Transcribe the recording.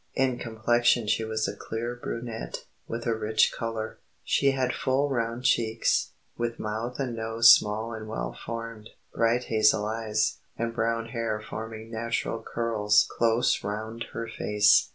In complexion she was a clear brunette, with a rich colour; she had full round cheeks, with mouth and nose small and well formed, bright hazel eyes, and brown hair forming natural curls close round her face.